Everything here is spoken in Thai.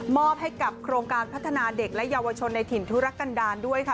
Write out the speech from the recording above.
อบให้กับโครงการพัฒนาเด็กและเยาวชนในถิ่นธุรกันดาลด้วยค่ะ